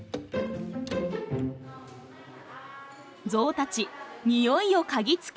ゾウたち匂いを嗅ぎつけ。